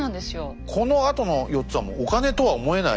このあとの４つはお金とは思えない。